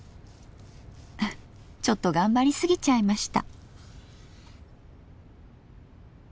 ちょっと頑張りすぎちゃいました。